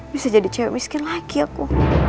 bisa jadi cewek miskin lagi aku